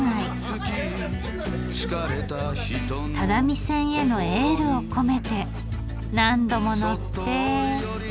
只見線へのエールを込めて何度も乗って。